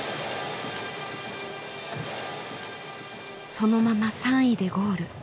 そのまま３位でゴール。